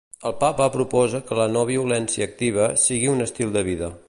El papa proposa que la "no-violència activa" sigui un estil de vida.